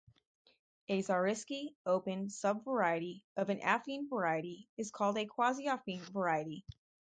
A Zariski open subvariety of an affine variety is called a quasi-affine variety.